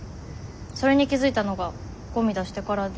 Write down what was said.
それに気付いたのがゴミ出してからで。